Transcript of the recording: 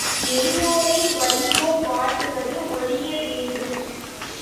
எளியோரை வலியோர் வாட்டுவது ஒழிய வேண்டும்.